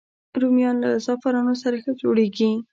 رومیان له زعفرانو سره ښه جوړېږي